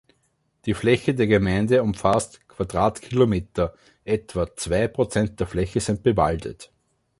Die Fläche der Gemeinde umfasst Quadratkilometer, etwa zwei Prozent der Fläche sind bewaldet.